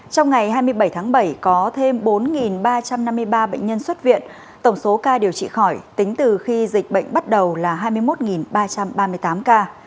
trong ngày hai mươi bảy tháng bảy có thêm bốn ba trăm năm mươi ba bệnh nhân xuất viện tổng số ca điều trị khỏi tính từ khi dịch bệnh bắt đầu là hai mươi một ba trăm ba mươi tám ca